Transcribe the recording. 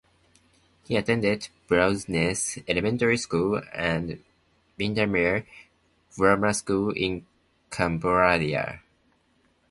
He attended Bowness Elementary School and Windermere Grammar School in Cumbria.